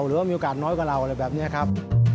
หรือว่ามีโอกาสน้อยกว่าเราอะไรแบบนี้ครับ